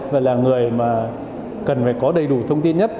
và là người mà cần phải có đầy đủ thông tin nhất